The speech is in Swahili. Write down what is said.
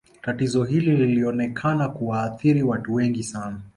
Tatizo hili lilionekana kuwaathiri watu wengi sana